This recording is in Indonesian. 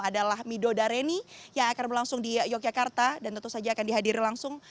adalah midodareni yang akan berlangsung di yogyakarta dan tentu saja akan dihadiri langsung